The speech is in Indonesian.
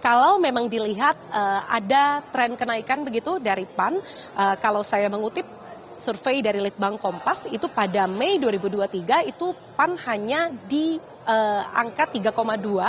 kalau memang dilihat ada tren kenaikan begitu dari pan kalau saya mengutip survei dari litbang kompas itu pada mei dua ribu dua puluh tiga itu pan hanya di angka tiga dua